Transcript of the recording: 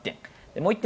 もう１点。